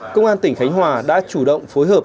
công an tỉnh khánh hòa đã chủ động phối hợp